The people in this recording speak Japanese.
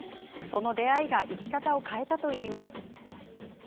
その出会いが生き方を変えたといいます。